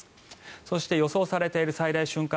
そして予想されている最大瞬間